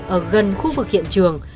ở gần khu vực hiện trường